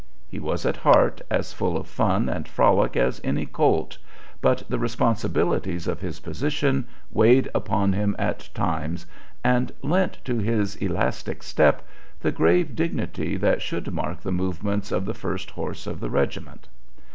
He was at heart as full of fun and frolic as any colt, but the responsibilities of his position weighed upon him at times and lent to his elastic step the grave dignity that should mark the movements of the first horse of the regiment.